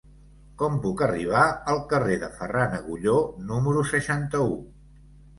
Com puc arribar al carrer de Ferran Agulló número seixanta-u?